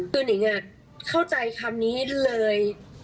คือนิงเข้าใจคำนี้เลย